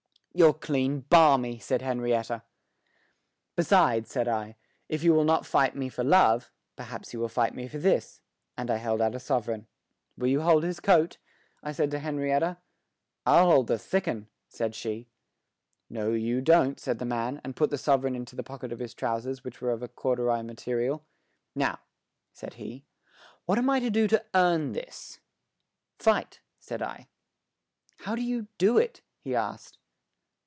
"You're clean balmy," said Henrietta. "Besides," said I, "if you will not fight me for love, perhaps you will fight me for this," and I held out a sovereign. "Will you hold his coat?" I said to Henrietta. "I'll hold the thick 'un," said she. "No, you don't," said the man, and put the sovereign into the pocket of his trousers, which were of a corduroy material. "Now," said he, "what am I to do to earn this?" "Fight," said I. "How do you do it?" he asked.